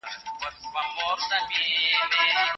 که نجونې ټولنپوهې وي نو دودونه به بد نه وي.